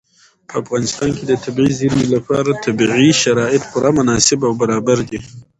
په افغانستان کې د طبیعي زیرمې لپاره طبیعي شرایط پوره مناسب او برابر دي.